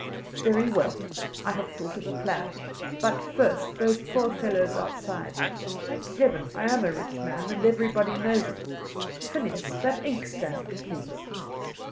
"Very well; I have thought of a plan. But first those poor fellows outside. Thank Heaven, I am a rich man, and everybody knows it. Phineas, that inkstand, please."